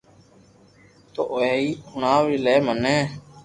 تو ھي ھڻاوي لي مني